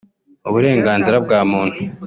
uburenganzira bwa muntu